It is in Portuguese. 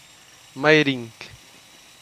Mairinque